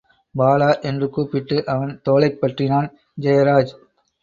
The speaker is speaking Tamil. பாலா! என்று கூப்பிட்டு அவன் தோளைப் பற்றினான் ஜெயராஜ்.